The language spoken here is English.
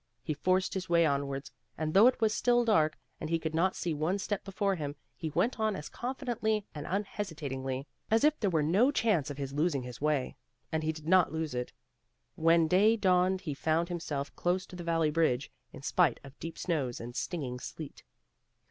He forced his way onwards, and though it was still dark and he could not see one step before him, he went on as confidently and unhesitatingly as if there were no chance of his losing his way. And he did not lose it. When day dawned he found himself close to the Valley bridge, in spite of deep snows and stinging sleet.